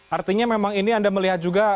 artinya memang ini anda melihat juga